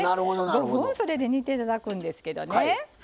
５分、煮ていただくんですけどね。